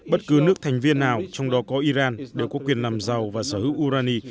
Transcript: bất cứ nước thành viên nào trong đó có iran đều có quyền làm giàu và sở hữu urani